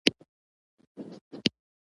آیا بدنامي د مرګ نه بدتره نه ده؟